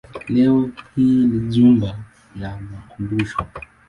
Leo hii ni jumba la makumbusho.